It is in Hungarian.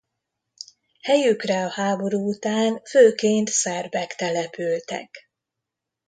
Helyükre a háború után főként szerbek települtek.